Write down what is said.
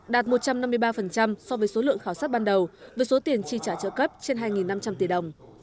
đạt một trăm năm mươi ba so với số lượng khảo sát ban đầu với số tiền chi trả trợ cấp trên hai năm trăm linh tỷ đồng